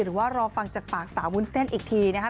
หรือว่ารอฟังจากปากสาววุ้นเส้นอีกทีนะคะ